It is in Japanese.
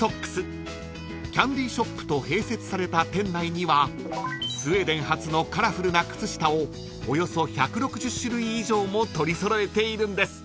［キャンディーショップと併設された店内にはスウェーデン発のカラフルな靴下をおよそ１６０種類以上も取り揃えているんです］